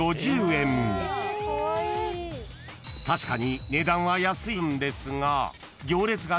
［確かに値段は安いんですが］